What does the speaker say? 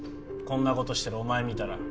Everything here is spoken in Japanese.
こんな事してるお前見たら。